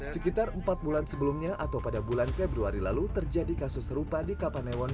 sekitar empat bulan sebelumnya atau pada bulan februari lalu terjadi kasus serupa di kapanewon